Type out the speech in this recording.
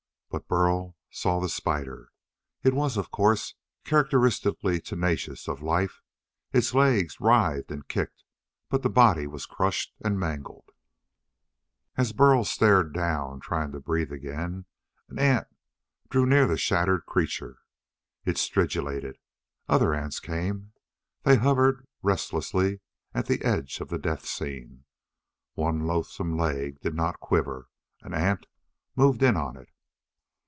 But Burl saw the spider. It was, of course, characteristically tenacious of life. Its legs writhed and kicked, but the body was crushed and mangled. As Burl stared down, trying to breathe again, an ant drew near the shattered creature. It stridulated. Other ants came. They hovered restlessly at the edge of the death scene. One loathesome leg did not quiver. An ant moved in on it.